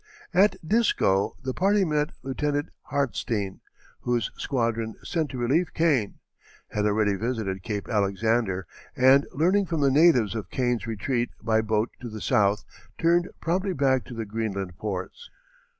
At Disco the party met Lieutenant Hartstene, whose squadron, sent to relieve Kane, had already visited Cape Alexander, and learning from the natives of Kane's retreat by boat to the south turned promptly back to the Greenland ports.